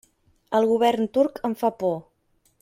El govern turc em fa por.